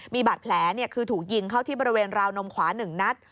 มีบาดแผลคือถูกยิงเข้าที่บริเวณราวนมขวา๑นัด